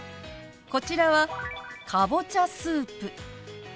こちらは「かぼちゃスープ」。